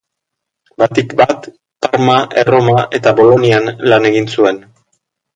Batik bat, Parma, Erroma eta Bolonian lan egin zuen.